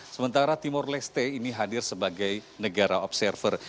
sementara timur leste ini hadir sebagai negara observer